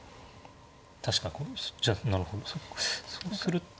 確かになるほどそうすると。